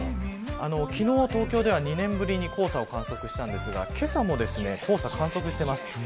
昨日、東京では２年ぶりに黄砂を観測したんですがけさも黄砂を観測しています。